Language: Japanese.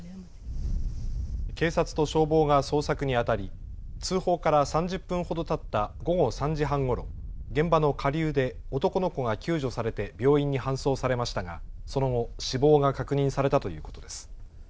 警察と消防が捜索にあたり通報から３０分ほどたった午後３時半ごろ、現場の下流で男の子が救助されて病院に搬送されましたがその後、死亡が確認されたということです。